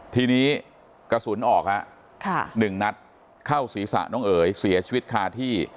ทีนี้กระสุนออกฮะ๑นัดเข้าศีรษะน้องเอ๋ยเสียชีวิตคาที่